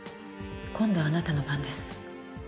今度はあなたの番です。